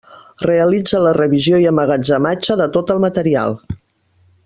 Realitza la revisió i emmagatzematge de tot el material.